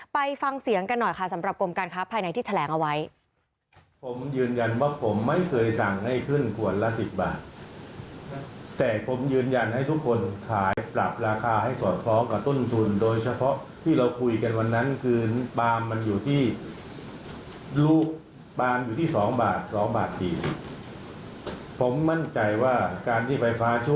ไปฟังเสียงกันหน่อยค่ะสำหรับกรมการค้าภายในที่แถลงเอาไว้